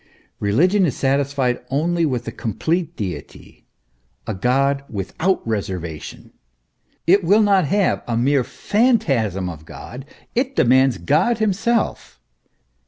Religion is satisfied only with a complete Deity, a God without reservation ; it will not have a mere phantasm of God ; it demands God himself.